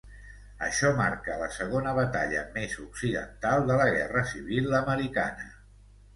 Això marca la segona batalla més occidental de la Guerra Civil Americana.